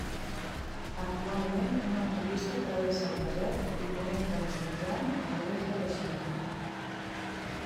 Actualment, una autopista travessa el desert i connecta Xinjiang amb l'est de la Xina.